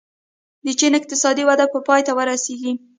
د چین اقتصادي وده به پای ته ورسېږي.